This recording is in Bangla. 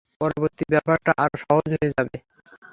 পরবর্তী ব্যাপারটা আরো সহজ হয়ে যাবে।